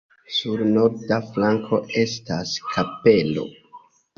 Sur norda flanko estas kapelo.